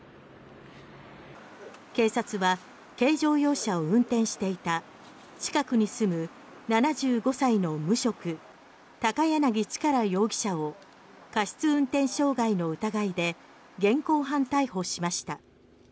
警察は軽乗用車を運転していた近くに住む７５歳の無職高柳力容疑者を過失運転傷害の疑いで現行犯逮捕しました。